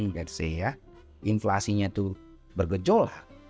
ya di sini ya inflasinya itu bergejolak